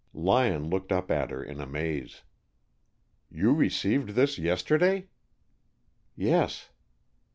Lyon looked up at her in amaze. "You received this yesterday?" "Yes."